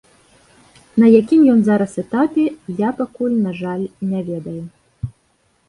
На якім ён зараз этапе, я пакуль, на жаль, не ведаю.